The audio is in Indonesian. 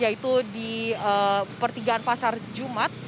yaitu di pertigaan pasar jumat